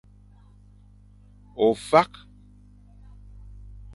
Ofak.